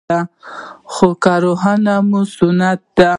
خو کرهنه مو سنتي ده